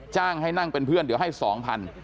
จ้างให้นั่งเป็นเพื่อนเดี๋ยวให้สองพัน